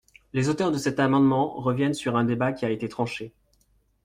Les auteurs de cet amendement reviennent sur un débat qui a été tranché.